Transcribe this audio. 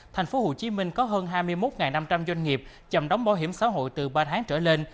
thành phố hồ chí minh có hơn hai mươi một năm trăm linh doanh nghiệp chậm đóng bảo hiểm xã hội từ ba tháng trở lên